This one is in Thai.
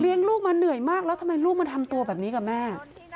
ลูกมาเหนื่อยมากแล้วทำไมลูกมาทำตัวแบบนี้กับแม่